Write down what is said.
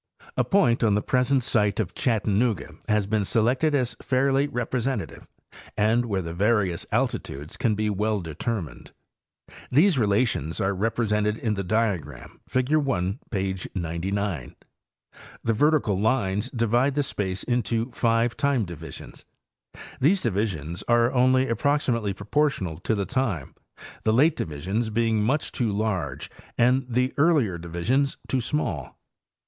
A point on the present site of Chattanooga has been selected as fairly representative and where the various alti tudes can be well determined. These relations are represented in the diagram, figure 1, page 99. The vertical lines divide the space into five time divisions. These divisions are only approximately proportional to the time, the late divisions being much too large and the earlier divisions too small.